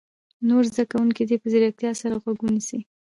نور زده کوونکي دې په ځیرتیا سره غوږ ونیسي.